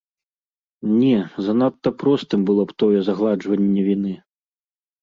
Не, занадта простым было б тое загладжванне віны.